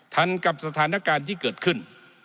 กับสถานการณ์ที่เกิดขึ้น